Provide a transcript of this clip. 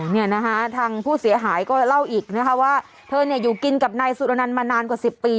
เนี่ยนะคะทางผู้เสียหายก็เล่าอีกนะคะว่าเธอเนี่ยอยู่กินกับนายสุรนันต์มานานกว่า๑๐ปี